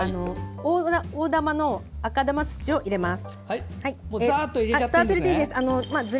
大玉の赤玉土を入れます。